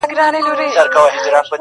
• د سلماني ریشتیا -